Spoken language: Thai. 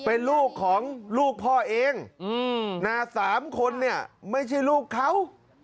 เป็นลูกของลูกพ่อเองนะ๓คนเนี่ยไม่ใช่ลูกเขา